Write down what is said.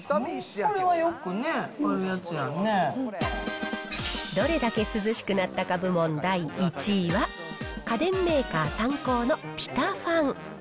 これはよくね、どれだけ涼しくなったか部門第１位は、家電メーカー、サンコーのピタファン。